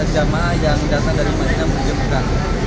jamaah yang datang dari madinah jember